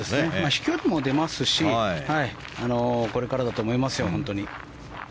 飛距離も出ますしこれからだと思います、本当に。